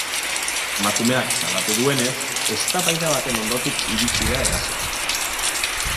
Emakumeak salatu duenez, eztabaida baten ondotik iritsi da erasoa.